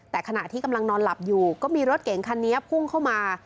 แต่ขณะที่กำลังนอนหลับอยู่ก็มีรถเก่งคันนี้พุ่งเข้ามา